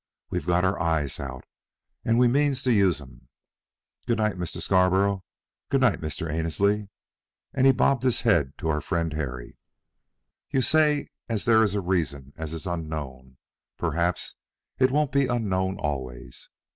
We've got our eyes out, and we means to use 'em. Good night, Mr. Scarborough; good night, Mr. Annesley," and he bobbed his head to our friend Harry. "You say as there is a reason as is unknown. Perhaps it won't be unknown always.